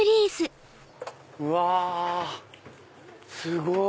うわすごい！